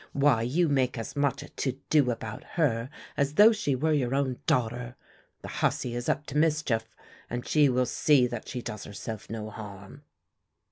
Why, you make as much a to do about her as though she were your own daughter. The hussie is up to mischief and she will see that she does herself no harm."